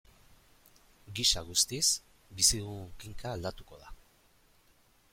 Gisa guztiz, bizi dugun kinka aldatuko da.